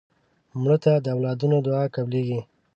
مړه ته د اولادونو دعا قبلیږي